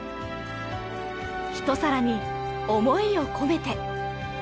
一皿に思いを込めて。